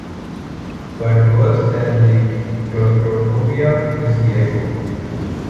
But worse than the claustrophobia is the echo.